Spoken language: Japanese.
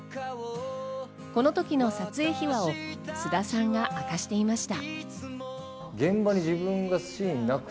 この時の撮影秘話を菅田さんが明かしていました。